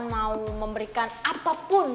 mau memberikan apapun